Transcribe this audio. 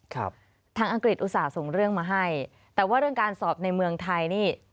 ทางอังกฤษอุตส่าห์ส่งเรื่องมาให้แต่ว่าเรื่องการสอบในเมืองไทยนี่